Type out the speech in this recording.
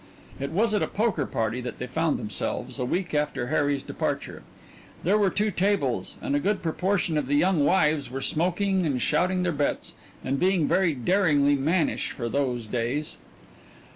It was at a poker party that they found themselves a week after Harry's departure. There were two tables, and a good proportion of the young wives were smoking and shouting their bets, and being very daringly mannish for those days.